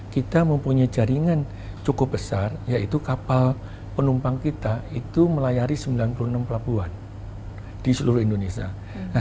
kita mempunyai jaringan cukup besar yaitu kapal penumpang kita itu melayari sembilan puluh enam pelabuhan di seluruh indonesia